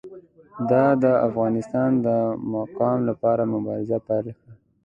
ده د افغانستان د مقام لپاره مبارزه پیل کړه.